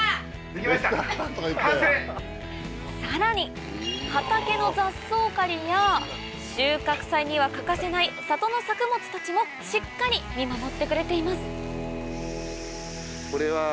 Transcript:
さらに畑の雑草刈りや収穫祭には欠かせない里の作物たちもしっかり見守ってくれています